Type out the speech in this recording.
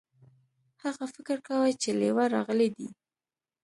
هغه فکر کاوه چې لیوه راغلی دی.